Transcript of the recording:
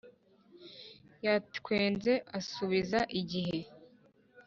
yatwenze asubiza, igihe